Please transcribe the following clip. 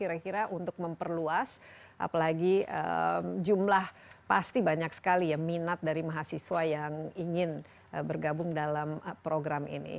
kira kira untuk memperluas apalagi jumlah pasti banyak sekali ya minat dari mahasiswa yang ingin bergabung dalam program ini